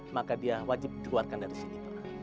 maka dia wajib dikeluarkan dari sini